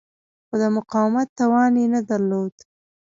خو د مقاومت توان یې نه درلود.